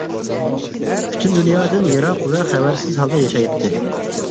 پۈتۈن دۇنيادىن يىراق ۋە خەۋەرسىز ھالدا ياشايتتى.